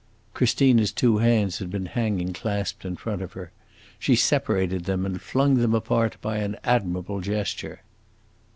Christina's two hands had been hanging clasped in front of her; she separated them and flung them apart by an admirable gesture.